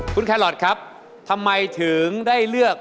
คุณแครอทครับทำไมถึงได้เลือก